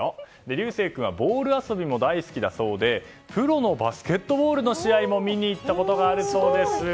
琉世君はボール遊びも大好きだそうでプロのバスケットボールの試合も見に行ったことがあるそうです。